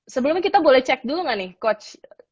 sebelumnya kita boleh cek dulu nggak nih coach